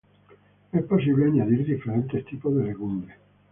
Es posible añadir diferentes tipos de legumbres.